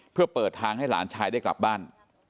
เพื่อเปิดทางให้หลานชายได้กลับบ้าน